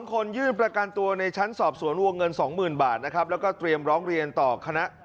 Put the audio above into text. หรือการโทรคุยกับเขาไม่ได้มีค่ะ